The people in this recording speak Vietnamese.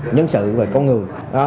nhân sự về con người